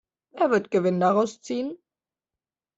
Wer wird Gewinn daraus ziehen?